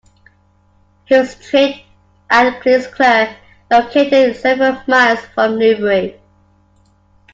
He was trained at Kingsclere, located several miles from Newbury.